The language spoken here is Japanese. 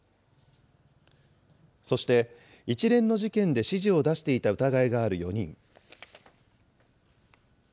そして、一連の事件で指示を出していた疑いがある４人。